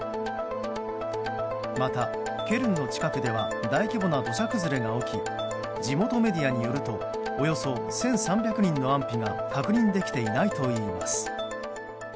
また、ケルンの近くでは大規模な土砂崩れが起き地元メディアによるとおよそ１３００人の安否が確認できていないといいます。